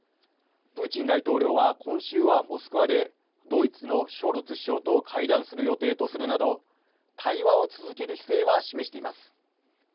プーチン大統領は今週はモスクワでドイツのショルツ首相と会談する予定とするなど、対話を続ける姿勢は示しています。